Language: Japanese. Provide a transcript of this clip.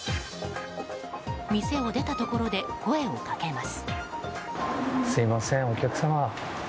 店を出たところで声をかけます。